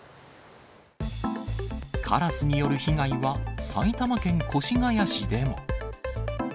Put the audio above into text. カラスによる被害は埼玉県越谷市でも。